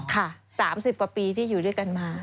ค่ะ๓๐กว่าปีที่อยู่ด้วยกันมา